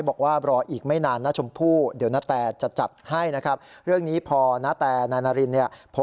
บอกว่ารออีกไม่นานนาชมพู่เดี๋ยวนาแต่จะจัดให้นะครับ